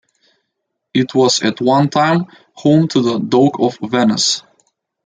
It was at one time home to the Doge of Venice.